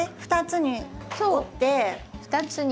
２つに折って。